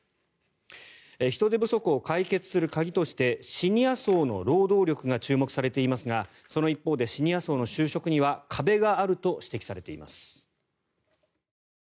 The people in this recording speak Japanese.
人手不足を解決する鍵としてシニア層の労働力が注目されていますがその一方で、シニア層の就職には壁があると指摘されています。